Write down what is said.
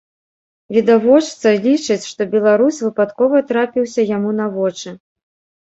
Відавочца лічыць, што беларус выпадкова трапіўся яму на вочы.